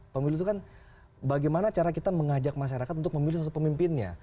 pemilu itu kan bagaimana cara kita mengajak masyarakat untuk memilih satu pemimpinnya